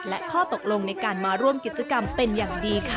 และข้อตกลงในการมาร่วมกิจกรรมเป็นอย่างดีค่ะ